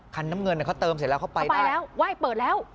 คันน้ำเงินเขาเติมเสร็จแล้วเขาไปแล้ว